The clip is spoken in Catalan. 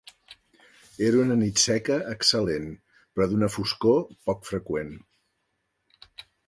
Era una nit seca excel·lent, però d'una foscor poc freqüent.